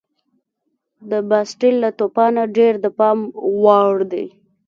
د باسټیل له توپانه ډېر د پام وړ دي.